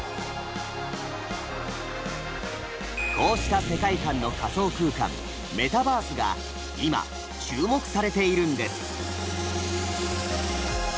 こうした世界観の仮想空間「メタバース」が今注目されているんです。